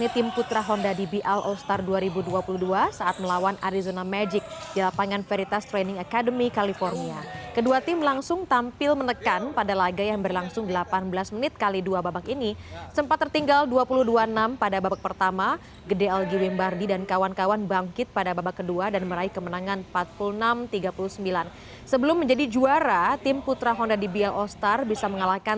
tim putra dan putri honda di bl all star dua ribu dua puluh dua berhasil menjadi juara suls turnamen yang digelar di california amerika serikat pada minggu